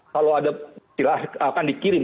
kalau ada silahkan dikirim